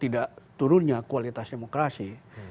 tidak turunnya kualitas demokrasi